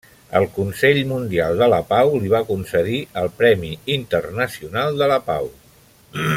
El Consell Mundial de la Pau li va concedir el Premi Internacional de la Pau.